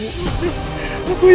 aku yang harus mencari ibu